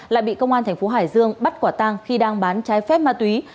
lại bị công an thành phố hải dương bắt quả tang khi đang bán trái phép ma túy